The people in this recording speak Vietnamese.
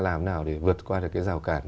làm nào để vượt qua được cái rào cản